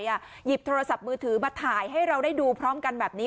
หยิบโทรศัพท์มือถือมาถ่ายให้เราได้ดูพร้อมกันแบบนี้